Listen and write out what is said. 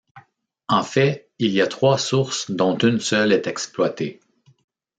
En fait, il y a trois sources dont une seule est exploitée.